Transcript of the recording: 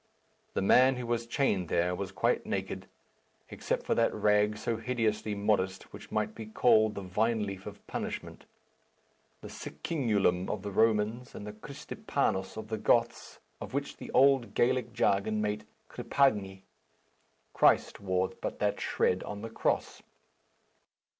The man who was chained there was quite naked, except for that rag so hideously modest, which might be called the vineleaf of punishment, the succingulum of the Romans, and the christipannus of the Goths, of which the old Gallic jargon made cripagne. Christ wore but that shred on the cross.